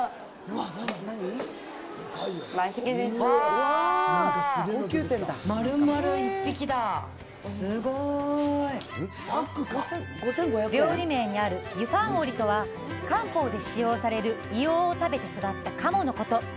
わぁまるまる１匹だすごい料理名にある「ユファンオリ」とは漢方で使用される硫黄を食べて育ったカモのこと